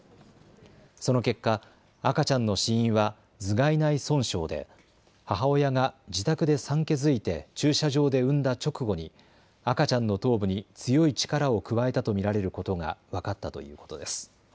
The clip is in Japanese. その結果、赤ちゃんの死因は頭蓋内損傷で母親が自宅で産気づいて駐車場で産んだ直後に赤ちゃんの頭部に強い力を加えたと見られることが分かったということです。